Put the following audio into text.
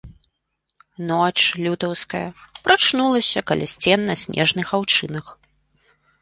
Ноч лютаўская прачнулася каля сцен на снежных аўчынах.